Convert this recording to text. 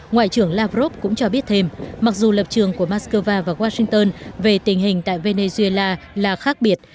ngoại trưởng lavrov cũng cho biết thêm mặc dù lập trường của moscow và washington về tình hình tại venezuela là khác biệt